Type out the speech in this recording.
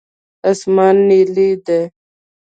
اسمان نیلي دی.